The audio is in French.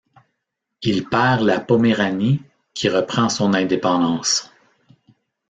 Il perd la Poméranie qui reprend son indépendance.